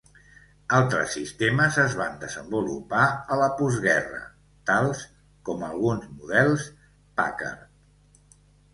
Altres sistemes es van desenvolupar a la postguerra tals com alguns models Packard.